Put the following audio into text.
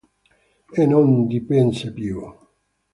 E non dipinse più.